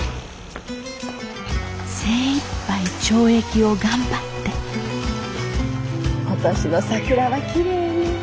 精いっぱい懲役を頑張って今年の桜はきれいね。